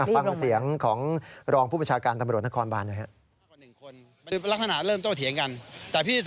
ฟังเสียงของรองผู้ประชาการตำรวจนครบานหน่อยครับ